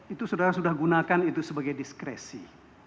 itu saudara sudah gunakan itu sebagai diskresi